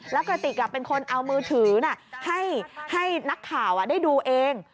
แล้วกระติกเป็นคนเอามือถือให้นักข่าวได้ดูเอง